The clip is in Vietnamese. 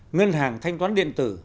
ngân hàng thanh toán điện tử